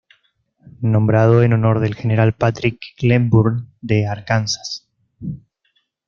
Nombrado en honor del General Patrick Cleburne, de Arkansas.